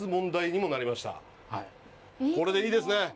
これでいいですね？